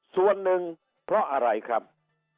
ส่วนหนึ่งเพราะอะไรครับ